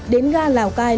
đến ga lào cai